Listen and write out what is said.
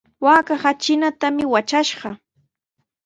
Waakaqa trinatami watrashqa.